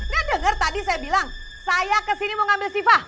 nah denger tadi saya bilang saya kesini mau ngambil siva